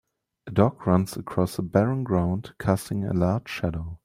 A dog runs across a barren ground casting a large shadow